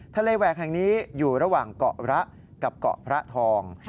แหวกแห่งนี้อยู่ระหว่างเกาะระกับเกาะพระทอง